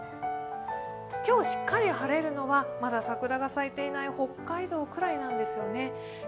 今日しっかり晴れるのは、まだ桜が咲いていない北海道くらいなんですよね。